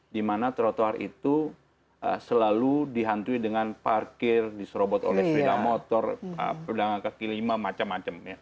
di mana trotoar itu selalu dihantui dengan parkir diserobot oleh sepeda motor pedagang kaki lima macam macam